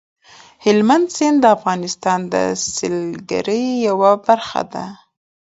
هلمند سیند د افغانستان د سیلګرۍ یوه برخه ده.